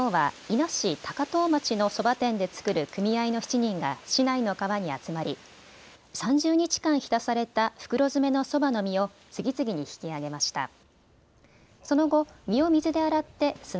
きのうは伊那市高遠町のそば店で作る組合の７人が市内の川に集まり３０日間浸された袋詰めのそばの実を次々に引き上げました。